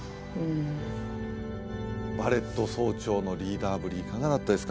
ヴァレット総長のリーダーぶりいかがだったですか？